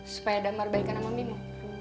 supaya damar baikan sama mimo